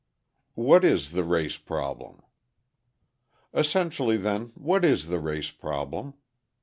What Is the Race Problem? Essentially, then, what is the race problem?